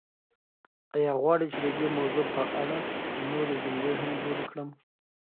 ایا غواړئ چې د دې موضوع په اړه نورې جملې هم جوړې کړم؟